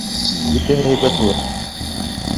Бөтәһе лә һәйбәт булыр!